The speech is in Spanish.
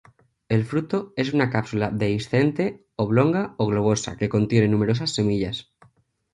El fruto es una cápsula dehiscente oblonga o globosa que contiene numerosas semillas.